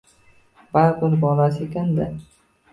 Baribir bolasi ekanda